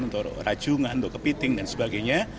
untuk rajungan untuk kepiting dan sebagainya